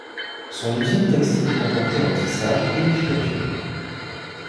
Son usine textile comportait un tissage et une filature.